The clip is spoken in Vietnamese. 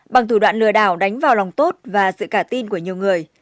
bằng thủ đoạn lừa đảo đánh vào lòng tốt và sự cả tin của nhiều người